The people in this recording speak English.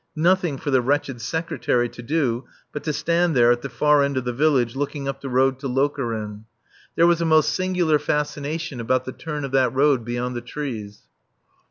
Nothing for the wretched Secretary to do but to stand there at the far end of the village, looking up the road to Lokeren. There was a most singular fascination about the turn of that road beyond the trees.